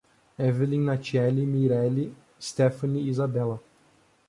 Evellyn, Natieli, Mireli, Sthefany e Izabella